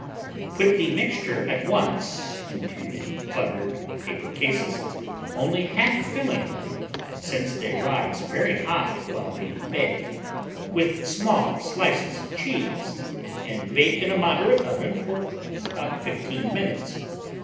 Put the mixture at once into the buttered paper cases, only half filling them (since they rise very high while being baked) with small slices of cheese, and bake in a moderate oven for about 15 minutes.